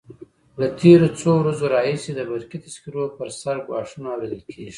له تېرو څو ورځو راهیسې د برقي تذکرو پر سر ګواښونه اورېدل کېږي.